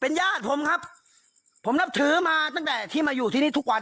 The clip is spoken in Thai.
ญาติผมครับผมนับถือมาตั้งแต่ที่มาอยู่ที่นี่ทุกวัน